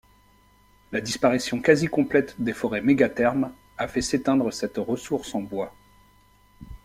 La disparition quasi complète des forêts mégathermes a fait s'éteindre cette ressource en bois.